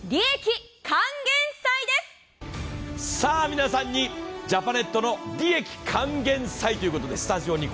皆さんにジャパネットの利益還元祭ということでスタジオに。